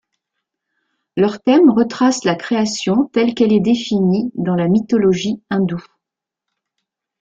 Leur thème retrace la création telle qu'elle est définie dans la mythologie hindoue.